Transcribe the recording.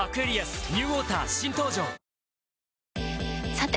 さて！